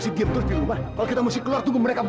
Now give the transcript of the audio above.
saya kira aku bingung ya